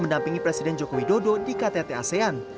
mendampingi presiden jokowi dodo di ktt asean